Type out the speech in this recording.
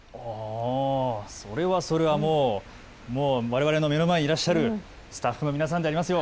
それはわれわれの目の前にいらっしゃるスタッフの皆さんでありますよ。